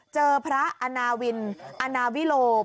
เจอพระอาณาวินอนาวิโล